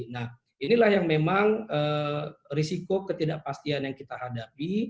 nah inilah yang memang risiko ketidakpastian yang kita hadapi